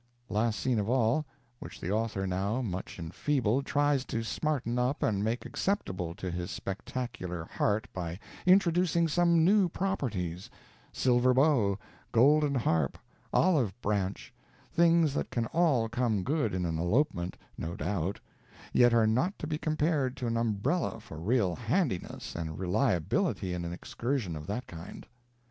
Last scene of all, which the author, now much enfeebled, tries to smarten up and make acceptable to his spectacular heart by introducing some new properties silver bow, golden harp, olive branch things that can all come good in an elopement, no doubt, yet are not to be compared to an umbrella for real handiness and reliability in an excursion of that kind.